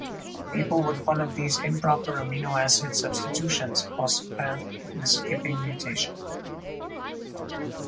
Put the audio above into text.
People with one of these improper amino acid substitutions also have the skipping mutation.